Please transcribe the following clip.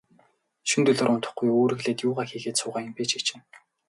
Шөнө дөлөөр унтахгүй, үүрэглээд юугаа хийгээд суугаа юм бэ, чи чинь.